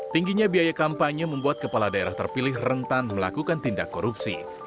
tingginya biaya kampanye membuat kepala daerah terpilih rentan melakukan tindak korupsi